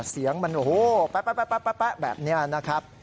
เสียงมันโอ้โหแป๊ะแบบนี้นะครับ